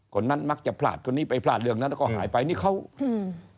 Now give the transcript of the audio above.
คนนั้นมักจะพลาดคนนี้ไปพลาดเรื่องนั้นก็หายไปนี่เขาอืม